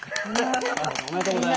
・おめでとうございます。